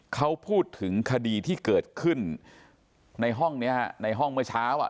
เขาพูดถึงคดีที่เกิดขึ้นในห้องเนี้ยฮะในห้องเมื่อเช้าอ่ะ